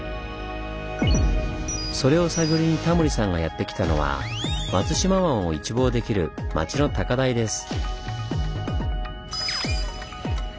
それを探りにタモリさんがやって来たのは松島湾を一望できる町の高台です。